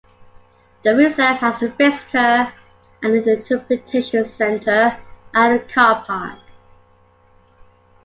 The reserve has a visitor and interpretation centre, and a car park.